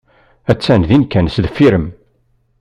Attan din kan sdeffir-m.